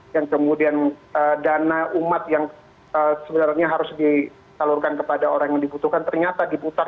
dan kemudian dana umat yang sebenarnya harus ditalurkan kepada orang yang dibutuhkan ternyata dibutuhkan